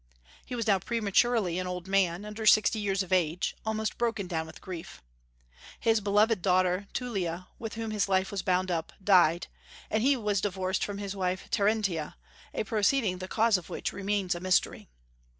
He was now prematurely an old man, under sixty years of age, almost broken down with grief. His beloved daughter Tullia, with whom his life was bound up, died; and he was divorced from his wife Terentia, a proceeding the cause of which remains a mystery.